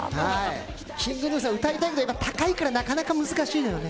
ＫｉｎｇＧｎｕさん、歌いたいんだけど、高いからなかなか難しいのよね。